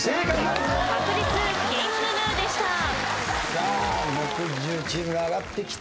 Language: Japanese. さあ木１０チームが上がってきた。